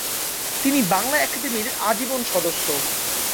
তিনি বাংলা একাডেমির আজীবন সদস্য।